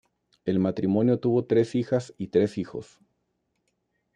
El matrimonio tuvo tres hijas y tres hijos.